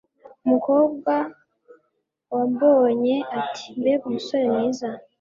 umukobwa wambonye ati mbega umusore mwiza